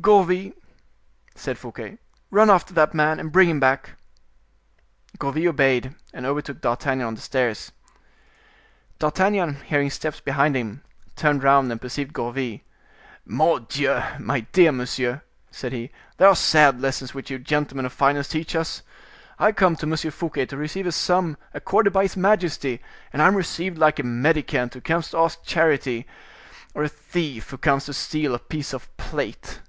"Gourville," said Fouquet, "run after that man and bring him back." Gourville obeyed, and overtook D'Artagnan on the stairs. D'Artagnan, hearing steps behind him, turned round and perceived Gourville. "Mordioux! my dear monsieur," said he, "there are sad lessons which you gentlemen of finance teach us; I come to M. Fouquet to receive a sum accorded by his majesty, and I am received like a mendicant who comes to ask charity, or a thief who comes to steal a piece of plate."